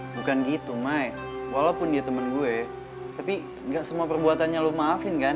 bukan gitu my walaupun dia temen gue tapi gak semua perbuatannya lo maafin kan